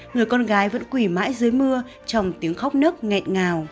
người con gái vẫn quỷ mãi dưới mưa trồng tiếng khóc nước nghẹt ngào